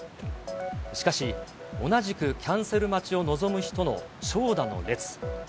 しかし、同じくキャンセル待ちを望む人の長蛇の列。